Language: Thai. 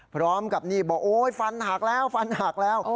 พร้อมกับนี่บอกโอ๊ยฟันหักแล้วฟันหักแล้ว